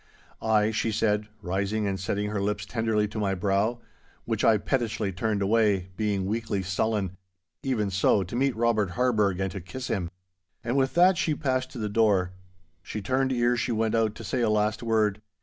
'Ay,' she said, rising and setting her lips tenderly to my brow, which I pettishly turned away, being weakly sullen, 'even so—to meet Robert Harburgh and to kiss him.' And with that she passed to the door. She turned ere she went out to say a last word.